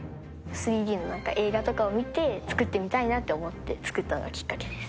３Ｄのなんか、映画とかを見て、作ってみたいなって思って作ったのがきっかけです。